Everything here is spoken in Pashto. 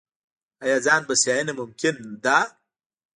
آیا ځان بسیاینه ممکن ده؟